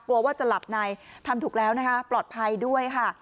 กลัวว่าจะหลับในทำถูกแล้วนะคะปลอดภัยด้วยค่ะ